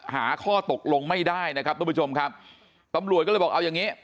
หาข้อตกลงไม่ได้นะครับทุกผู้ชมครับตำรวจก็เลยบอกเอาอย่างงี้